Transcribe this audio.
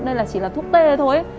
đây là chỉ là thuốc tê thôi